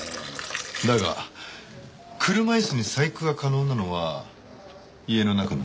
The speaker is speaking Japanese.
だが車椅子に細工が可能なのは家の中の人間だけ。